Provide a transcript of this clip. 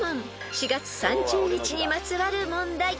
［４月３０日にまつわる問題］